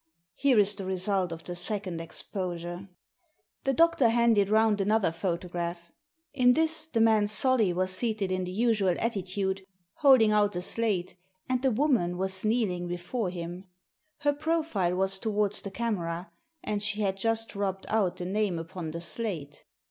Here is the result of the second exposure." The doctor handed round another photograph. In this the man Solly was seated in the usual attitude, holding out the slate, and the woman was kneeling before him. Her profile was towards the camera, and she had just rubbed out the name upon the slate.